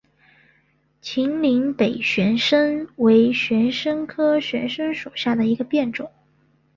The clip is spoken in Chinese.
秦岭北玄参为玄参科玄参属下的一个变种。